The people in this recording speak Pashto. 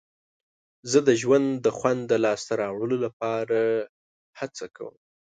زه د ژوند د خوند د لاسته راوړلو لپاره هڅه کوم.